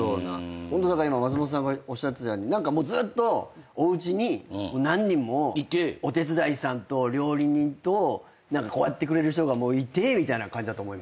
だから今松本さんがおっしゃってたようにずっとおうちに何人もお手伝いさんと料理人と何かこうやってくれる人がいてみたいな感じだと思いました。